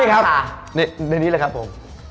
นี่ครับในนี้เลยครับผม